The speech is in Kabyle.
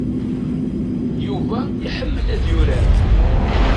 Yuba iḥemmel ad yurar.